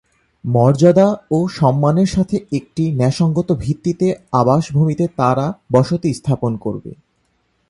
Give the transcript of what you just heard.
মর্যাদা এবং সম্মানের সাথে একটি ন্যায়সঙ্গত ভিত্তিতে আবাস ভূমিতে তারা বসতি স্থাপন করবে।